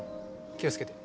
気をつけて。